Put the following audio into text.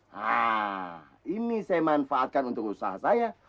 nah ini saya manfaatkan untuk usaha saya